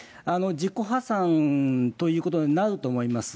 自己破産ということになると思います。